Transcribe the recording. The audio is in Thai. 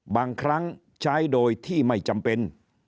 บางครั้งใช้โดยที่ไม่จำเป็น